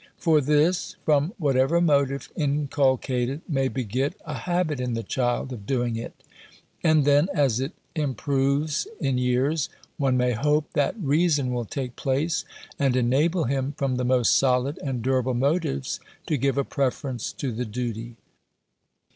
For this, from whatever motive inculcated, may beget a habit in the child of doing it: and then, as it improves in years, one may hope, that reason will take place, and enable him, from the most solid and durable motives, to give a preference to the duty.